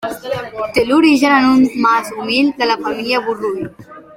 Té l'origen en un mas humil de la família Borrull.